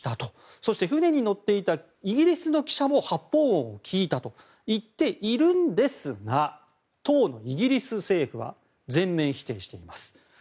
そして、船に乗っていたイギリスの記者も発砲音を聞いたと言っているんですが当のイギリス政府は全面否定しています。